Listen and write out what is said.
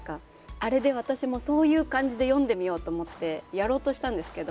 あれで私も、そういう感じで読んでみようと思ってやろうとしたんですけど